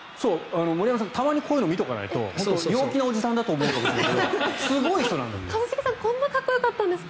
森山さん、たまにこういうのを見ておかないと陽気なおじさんだと思われるけどすごい人なんです。